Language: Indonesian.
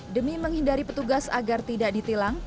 demi menghindari petugas agar tidak ditilang